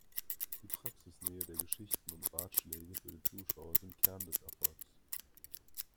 Die Praxisnähe der Geschichten und Ratschläge für den Zuschauer sind Kern des Erfolgs.